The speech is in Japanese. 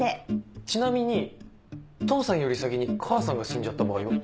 ちなみに父さんより先に母さんが死んじゃった場合は？